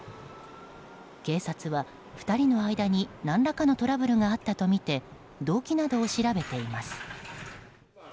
警察は２人の間に何らかのトラブルがあったとみて動機などを調べています。